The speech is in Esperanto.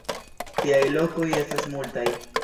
Tiaj lokoj estas multaj.